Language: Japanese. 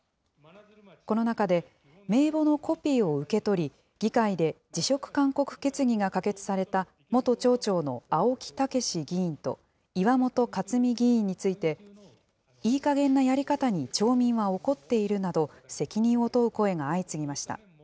この中で、名簿のコピーを受け取り、議会で辞職勧告決議が可決された元町長の青木健議員と、岩本克美議員について、いいかげんなやり方に町民は怒っているなど、責任を問う声が相次ぎました。